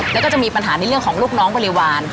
แล้วก็จะมีปัญหาในเรื่องของลูกน้องบริวาร